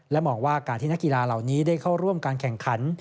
มองว่าการที่นักกีฬาเหล่านี้ได้เข้าร่วมการแข่งขัน